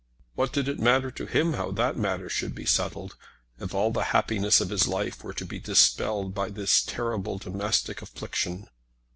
What did it matter to him how that matter should be settled, if all the happiness of his life were to be dispelled by this terrible domestic affliction.